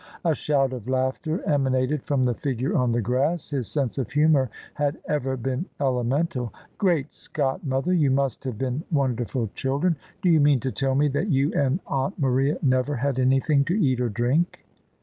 A shout of laughter emanated from the figure on the grass : his sense of humour had ever been elemental. " Great Scott! mother, you must have been wonderful children. Do you mean to tell me that you and aunt Maria never had anything to eat or drink?